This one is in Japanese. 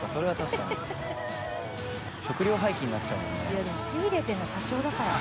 いやでも仕入れてるの社長だからね。